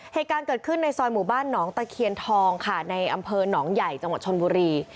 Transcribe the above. เหตุการณ์เกิดขึ้นในซอยหมู่บ้านหนองตะเคียนทองค่ะในอำเภอหนองใหญ่จังหวัดชนบุรี